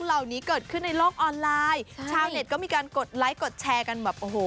แล้วลูกเนี่ยมีใครบ้างโอ้โห